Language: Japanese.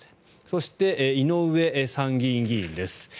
そして井上参議院議員です。